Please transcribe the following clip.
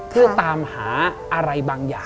เพื่อตามหาอะไรบางอย่าง